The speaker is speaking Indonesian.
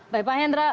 baik pak hendra